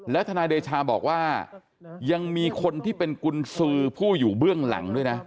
ทนายเดชาบอกว่ายังมีคนที่เป็นกุญสือผู้อยู่เบื้องหลังด้วยนะ